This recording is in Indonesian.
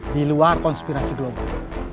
diluar konspirasi global